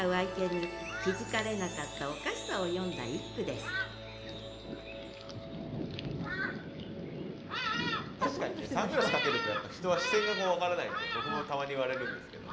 色つき眼鏡確かにねサングラスかけるとやっぱ人は視線が分からないんで僕もたまに言われるんですけど。